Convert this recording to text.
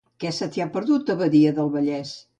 Què se t'hi ha perdut, a Badia del Valles?